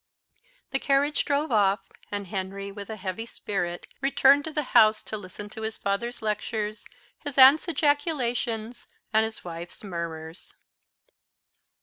The carriage drove off, and Henry, with a heavy spirit, returned to the house to listen to his father's lectures, his aunts' ejaculations, and his wife's murmurs.